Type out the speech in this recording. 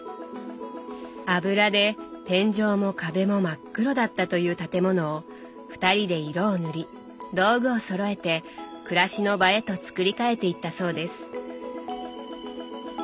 油で天井も壁も真っ黒だったという建物を二人で色を塗り道具をそろえて暮らしの場へと作り替えていったそうです。